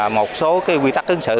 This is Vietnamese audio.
một số quy tắc tương sử